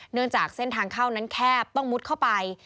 เนื่องจากเส้นทางเข้านั้นแคบต้องมุดเข้าไป